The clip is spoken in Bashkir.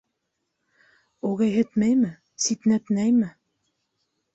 Үгәйһетмәйме, ситнәтмәйме?